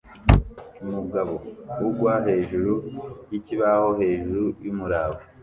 Umugabo ugwa hejuru yikibaho hejuru yumuraba